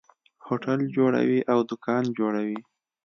هوټل جوړوي او دکان جوړوي.